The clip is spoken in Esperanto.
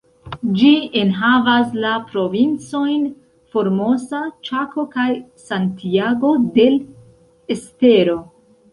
Ĝi enhavas la provincojn Formosa, Ĉako, kaj Santiago del Estero.